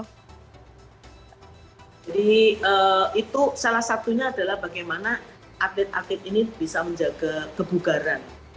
jadi itu salah satunya adalah bagaimana atlet atlet ini bisa menjaga kebugaran